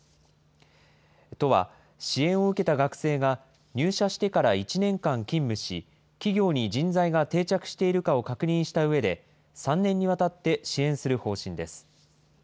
都は、支援を受けた学生が、入社してから１年間勤務し、企業に人材が定着しているかを確認したうえで、３年にわたって支援する方針です。